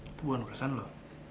itu bukan urusan lo